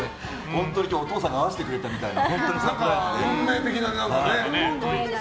本当に今日、お父さんが会わせてくれたみたいな。